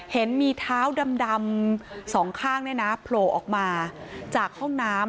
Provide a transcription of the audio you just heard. เห็นมีเท้าดำสองข้างเนี่ยนะโผล่ออกมาจากห้องน้ำ